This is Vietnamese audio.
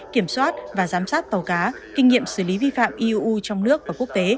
kiểm soát và giám sát tàu cá kinh nghiệm xử lý vi phạm iuu trong nước và quốc tế